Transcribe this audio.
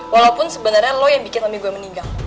walaupun sebenarnya lo yang bikin lebih gue meninggal